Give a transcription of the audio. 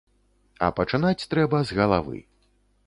А пачынаць трэба з галавы.